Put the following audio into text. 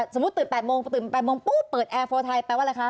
ตื่น๘โมงตื่น๘โมงปุ๊บเปิดแอร์โฟร์ไทยแปลว่าอะไรคะ